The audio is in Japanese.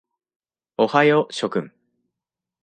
おはよう諸君。